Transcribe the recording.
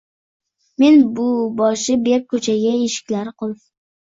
Men boshi berk ko’chadagi eshiklari qulf